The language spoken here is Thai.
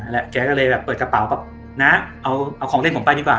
แล้วแกก็เลยแบบเปิดกระเป๋าแบบนะเอาของเล่นผมไปดีกว่า